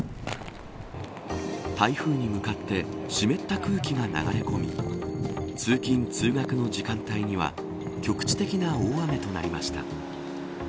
台風に向かって湿った空気が流れ込み通勤、通学の時間帯には局地的な大雨となりました。